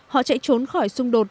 họ chạy trốn khỏi xung đột